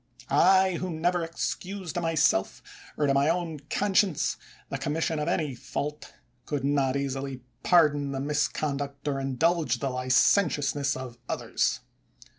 I, who never excused to my self, or to my own conscience, the commission of any fault, could not easily pardon the miscon duct, or indulge the licentiousness, of others.